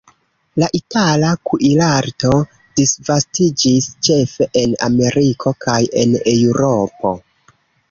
La itala kuirarto disvastiĝis ĉefe en Ameriko kaj en Eŭropo.